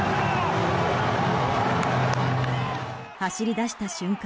走り出した瞬間